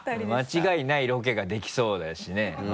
間違いないロケができそうだしね